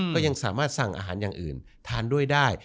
ก็ยังสามารถสั่งอาหารอย่างอื่นทานด้วยได้